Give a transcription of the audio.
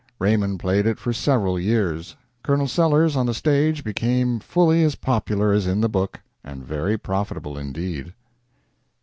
Raymond played it for several years. Colonel Sellers on the stage became fully as popular as in the book, and very profitable indeed.